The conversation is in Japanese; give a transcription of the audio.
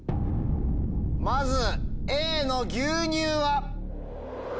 まずＡの牛乳は。